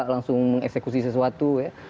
langsung mengeksekusi sesuatu ya